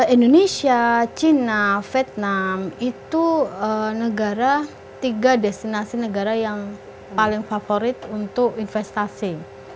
indonesia china vietnam itu negara tiga destinasi negara yang paling favorit untuk investasi